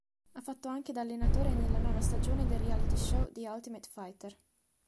Ha fatto anche da allenatore nella nona stagione del reality show "The Ultimate Fighter".